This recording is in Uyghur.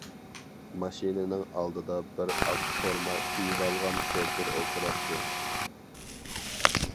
ماشىنىنىڭ ئالدىدا بىر ئاق فورما كىيىۋالغان شوپۇر ئولتۇراتتى.